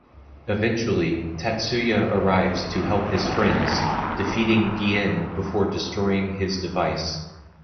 Eventually, Tatsuya arrives to help his friends, defeating Gien before destroying his device.